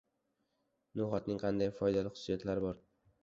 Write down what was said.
No‘xatning qanday foydali xususiyatlari bor?